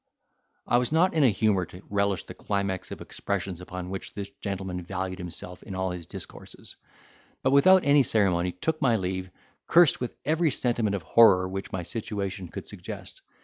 I was not in a humour to relish the climax of expressions upon which this gentleman valued himself in all his discourses; but, without any ceremony, took my leave, cursed with every sentiment of horror which my situation could suggest.